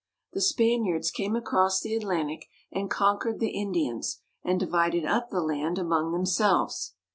The Spaniards came across the Atlantic and conquered the Indians, and divided up the land among themselves.